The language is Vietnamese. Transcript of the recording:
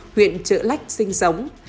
huyện trợ lách sinh sống